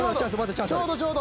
ちょうどちょうど。